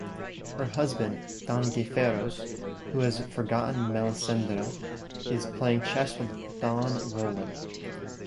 Her husband Don Gayferos, who has forgotten Melisendra, is playing chess with Don Roland.